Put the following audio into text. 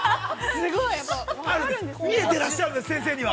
◆見えていらっしゃるんです、先生には。